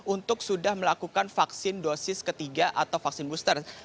untuk sudah melakukan vaksin dosis ketiga atau vaksin booster